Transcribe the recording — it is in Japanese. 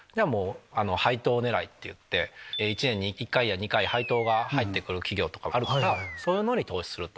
配当狙いっていって１年に１回や２回配当が入ってくる企業あるからそういうのに投資するとか。